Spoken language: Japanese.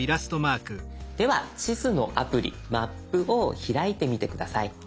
では地図のアプリ「マップ」を開いてみて下さい。